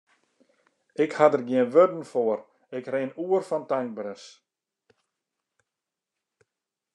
Ik ha der gjin wurden foar, ik rin oer fan tankberens.